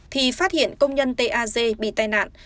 thì phát hiện công nhân t a g bị tai nạn